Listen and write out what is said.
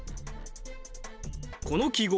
この記号